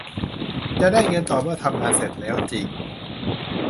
จะได้เงินต่อเมื่อทำงานเสร็จแล้วจริง